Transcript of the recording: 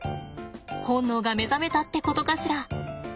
本能が目覚めたってことかしら。